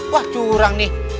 wah curang nih